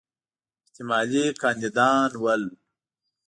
احتمالي کاندیدان ول.